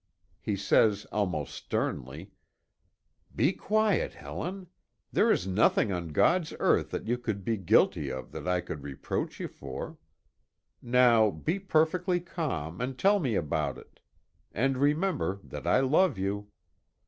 He says almost sternly: "Be quiet, Helen. There is nothing on God's earth that you could be guilty of that I could reproach you for. Now, be perfectly calm and tell me about it. And remember that I love you."